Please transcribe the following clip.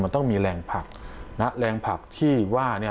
มันต้องมีแรงผลักนะแรงผลักที่ว่าเนี่ย